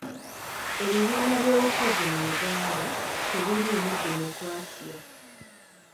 Ebibiina byobufuzi mu Uganda tebiriimu dimokulasiya.